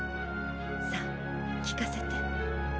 さあ聴かせて。